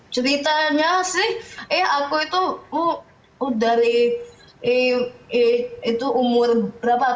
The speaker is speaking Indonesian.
ceritanya sih eh aku itu aku dari eh eh itu umur berapa